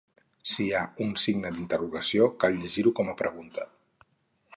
Si hi ha un signe d'interrogació cal llegir-ho com una pregunta